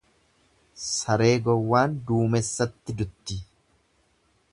Saree gowwaan duumessatti dutti.